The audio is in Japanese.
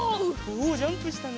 おおジャンプしたね。